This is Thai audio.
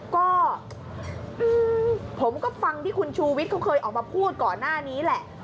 ก็ผมก็ฟังที่คุณชูวิทย์เขาเคยออกมาพูดก่อนหน้านี้แหละ